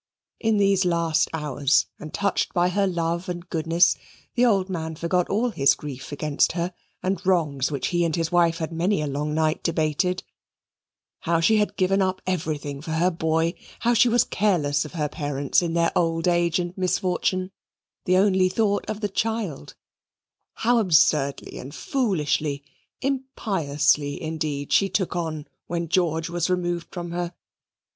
In these last hours, and touched by her love and goodness, the old man forgot all his grief against her, and wrongs which he and his wife had many a long night debated: how she had given up everything for her boy; how she was careless of her parents in their old age and misfortune, and only thought of the child; how absurdly and foolishly, impiously indeed, she took on when George was removed from her.